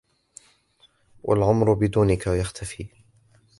والعمر بدونك يختفي